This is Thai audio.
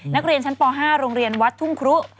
นักเรียนชั้นป๕โรงเรียนวัดทุ่งครุ